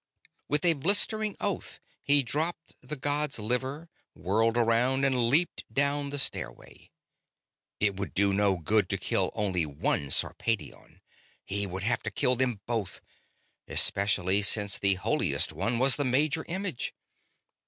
With a blistering oath he dropped the god's liver, whirled around and leaped down the stairway. It would do no good to kill only one Sarpedion. He would have to kill them both, especially since the Holiest One was the major image.